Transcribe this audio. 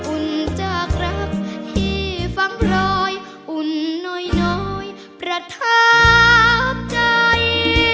อุ่นจากรักที่ฟังรอยอุ่นน้อยประทับใจ